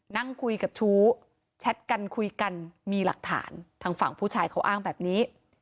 นั่งคุยกับชู้แชทกันคุยกันมีหลักฐานทางฝั่งผู้ชายเขาอ้างแบบนี้